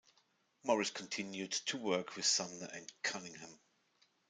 Morris continued to work with Sumner and Cunningham.